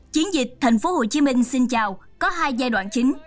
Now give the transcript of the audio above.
chiến dịch tp hcm xin chào có hai giai đoạn chính